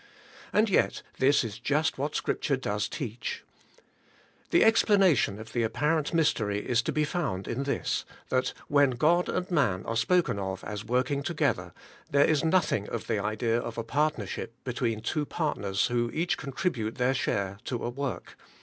And yet this is just what Scripture does teach. The explanation of the appar ent mystery is to be found in this, that when God and man are spoken of as working together, there is IN STILLNESS OF SOUL, 137 nothing of the idea of a partnership between two partners who each contribute their share to a work.